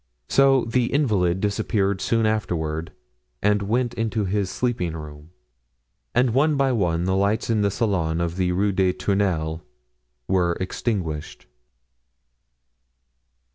So the invalid disappeared soon afterward and went into his sleeping room; and one by one the lights in the salon of the Rue des Tournelles were extinguished.